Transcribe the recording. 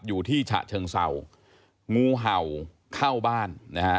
อยู่ที่ฉะเชิงเซางูเห่าเข้าบ้านนะครับ